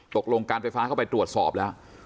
ตกลงการไฟฟ้าเข้าไปตรวจสอบแล้ว